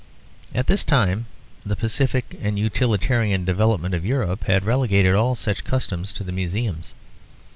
At this time the pacific and utilitarian development of Europe had relegated all such customs to the Museums.